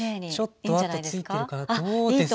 ちょっと跡ついてるかなどうですかね。